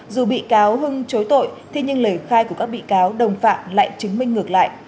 dù bị cáo hưng chối tội thế nhưng lời khai của các bị cáo đồng phạm lại chứng minh ngược lại